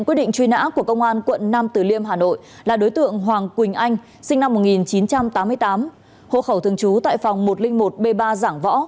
quỳnh anh sinh năm một nghìn chín trăm tám mươi tám hộ khẩu thường trú tại phòng một trăm linh một b ba giảng võ